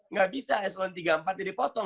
nggak bisa eselon tiga dan empat jadi dipotong